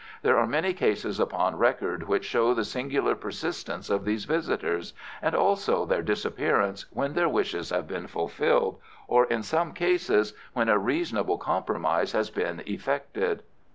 There are many cases upon record which show the singular persistence of these visitors, and also their disappearance when their wishes have been fulfilled, or in some cases when a reasonable compromise has been effected."